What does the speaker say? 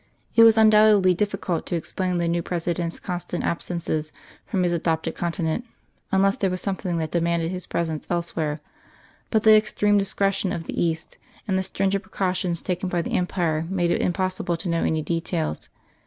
It was undoubtedly difficult to explain the new President's constant absences from his adopted continent, unless there was something that demanded his presence elsewhere; but the extreme discretion of the East and the stringent precautions taken by the Empire made it impossible to know any details.